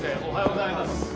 おはようございます。